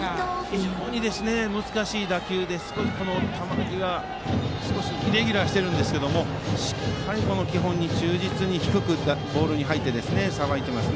非常に難しい打球で、球際少しイレギュラーしましたが基本に忠実に低くボールに入ってさばいています。